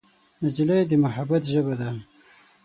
نجلۍ د محبت ژبه ده.